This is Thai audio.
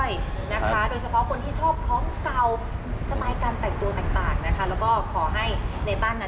โดยเฉพาะคนที่ชอบครองเก่า